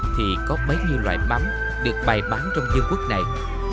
thì có mấy nhiều loại mắm được bày bán trong dương quốc này